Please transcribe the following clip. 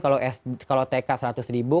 kalau tk seratus ribu